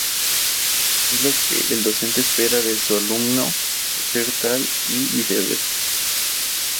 Es lo que el docente espera de su alumno por ser tal y viceversa.